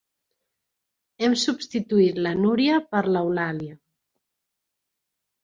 Hem substituït la Núria per l'Eulàlia.